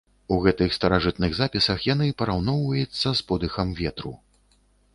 У гэтых старажытных запісах яны параўноўваецца з подыхам ветру.